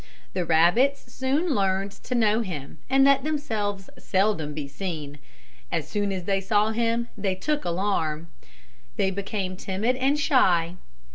The rabbits soon learned to know him and let themselves be seldom seen. As soon as they saw him, they took alarm. They became timid and shy.